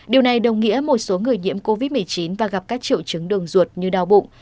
điều này đồng nghĩa một số người nhiễm covid một mươi chín và gặp các triệu chứng đường ruột như đau bụng